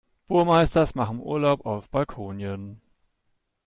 Burmeisters machen Urlaub auf Balkonien.